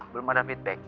belum ada feedback